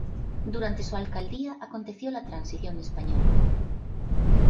Durante su alcaldía aconteció la Transición Española.